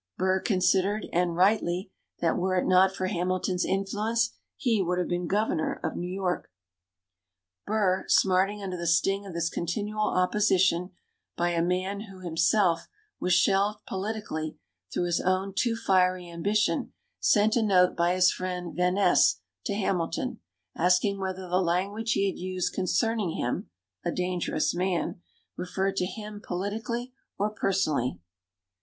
Burr considered, and rightly, that were it not for Hamilton's influence he would have been Governor of New York. Burr, smarting under the sting of this continual opposition by a man who himself was shelved politically through his own too fiery ambition, sent a note by his friend Van Ness to Hamilton, asking whether the language he had used concerning him ("a dangerous man") referred to him politically or personally.